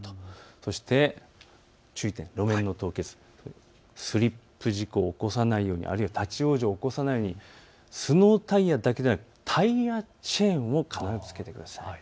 そして注意点、路面の凍結、スリップ事故を起こさないように、あるいは立往生を起こさないようにスノータイヤだけではなくタイヤチェーンを必ずつけてください。